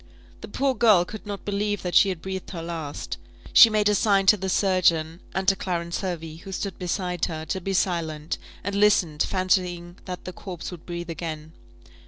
The poor girl could not believe that she had breathed her last. She made a sign to the surgeon, and to Clarence Hervey, who stood beside her, to be silent; and listened, fancying that the corpse would breathe again.